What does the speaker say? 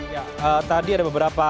ya tadi ada beberapa